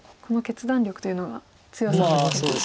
この決断力というのは強さと。